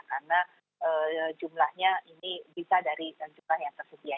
karena jumlahnya ini bisa dari jumlah yang tersedia